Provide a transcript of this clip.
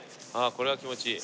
これは気持ちいい。